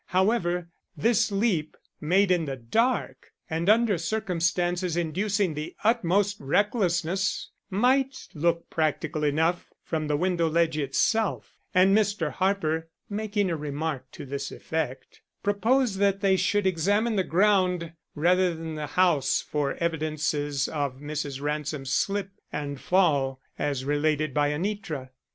However, this leap, made in the dark and under circumstances inducing the utmost recklessness, might look practical enough from the window ledge itself, and Mr. Harper, making a remark to this effect, proposed that they should examine the ground rather than the house for evidences of Mrs. Ransom's slip and fall as related by Anitra.